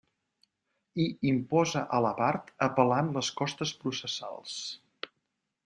I imposa a la part apel·lant les costes processals.